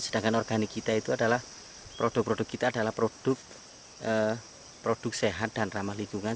sedangkan organik kita itu adalah produk produk kita adalah produk produk sehat dan ramah lingkungan